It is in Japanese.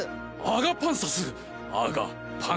アガパンサス！